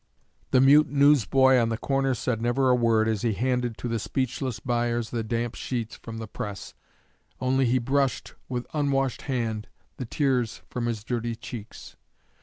The mute news boy on the corner said never a word as he handed to the speechless buyers the damp sheets from the press; only he brushed, with unwashed hand, the tears from his dirty cheeks.